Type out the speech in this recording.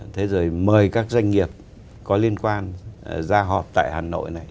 thế rồi mời các doanh nghiệp có liên quan ra họp tại hà nội này